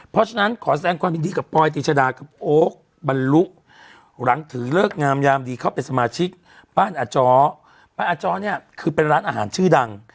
ปานอาจอเนี่ยเป็นร้านอาหารชื่อดัง